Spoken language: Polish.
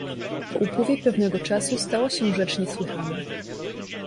"Po upływie pewnego czasu stała się rzecz niesłychana."